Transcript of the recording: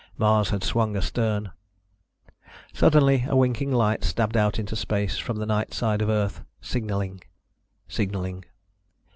Mars had swung astern. Suddenly a winking light stabbed out into space from the night side of Earth. Signaling ... signaling